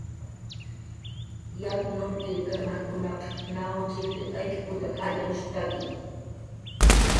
Yapn nurkir karmajkunaq naw ch'illtirqayk putak jatxyanushtaki